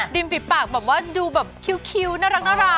ฝีปากแบบว่าดูแบบคิ้วน่ารัก